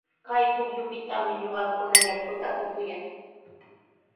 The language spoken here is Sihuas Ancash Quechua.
Kay pukyupitami ñuqakuna yakuta upuyaa.